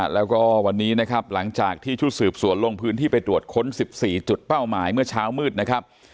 แล้วก็วันนี้นะครับหลังจากที่ชุดสืบสวนลงพื้นที่ไปตรวจค้น๑๔จุดเป้าหมายเมื่อเช้ามืดนะครับ